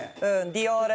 ディオール。